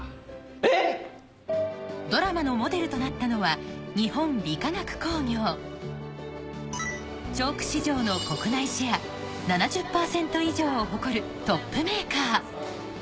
えっ⁉ドラマのモデルとなったのはチョーク市場の国内シェア７０％以上を誇るトップメーカー